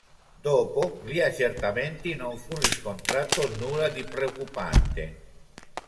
Dopo gli accertamenti non fu riscontrato nulla di preoccupante.